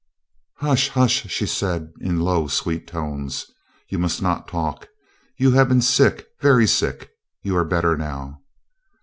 "Hush! hush!" she said, in low, sweet tones, "you must not talk. You have been sick—very sick. You are better now."